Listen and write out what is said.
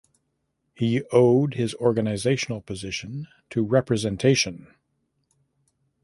He owed his organizational position to representation.